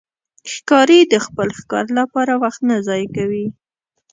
ښکاري د خپل ښکار لپاره وخت ضایع نه کوي.